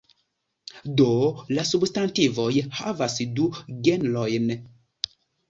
Do la substantivoj havas du genrojn.